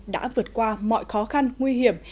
đã vượt qua mọi khó khăn nguy hiểm